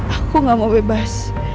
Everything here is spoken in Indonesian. aku gak mau bebas